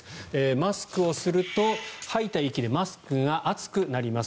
マスクをすると吐いた息でマスクが熱くなります。